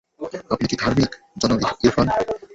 আপনি কি ধার্মিক, জনাব ইরফান?